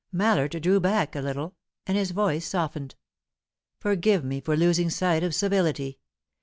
Mallard drew hack a little, and his voice softened. "Forgive me for losing sight of civility.